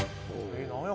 何や？